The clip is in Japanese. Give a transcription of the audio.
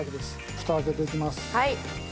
フタ開けていきます。